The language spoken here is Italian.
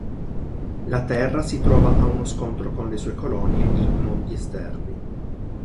La Terra si trova a uno scontro con le sue colonie, i "mondi esterni".